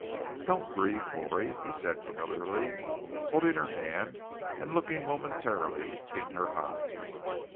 "Don't grieve, Florrie," he said familiarly, holding her hand and looking momentarily in her eyes.